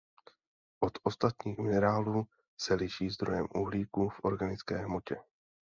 Od ostatních minerálů se liší zdrojem uhlíku v organické hmotě.